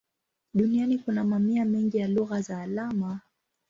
Duniani kuna mamia mengi ya lugha za alama.